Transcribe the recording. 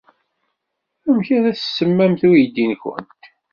Amek ay as-tsemmamt i uydi-nwent?